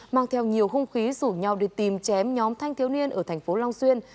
mang theo nhiều không khí rủ nhau đi tìm chém nhóm thanh thiếu niên ở tp long xuyên